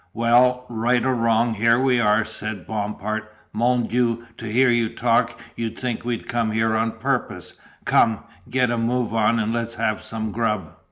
"Well, right or wrong, here we are," said Bompard "Mon Dieu! to hear you talk you'd think we'd come here on purpose come, get a move on and let's have some grub."